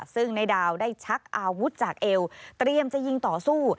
ซึ่งนายดาวได้ชักอาวุธจากเอวเตรียมจะยิงต่อสู้